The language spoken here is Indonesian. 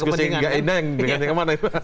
maksudnya diskusi nggak indah yang dengan yang mana itu